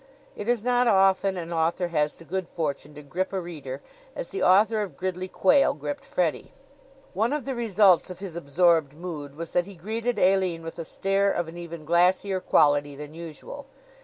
It is not often an author has the good fortune to grip a reader as the author of Gridley Quayle gripped Freddie. One of the results of his absorbed mood was that he greeted Aline with a stare of an even glassier quality than usual.